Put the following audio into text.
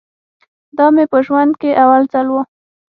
دا مې په ژوند کښې اول ځل و.